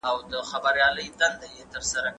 ايا فساد د پرمختګ مخه نيسي؟